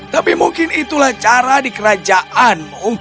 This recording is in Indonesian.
tapi mungkin itulah cara di kerajaanmu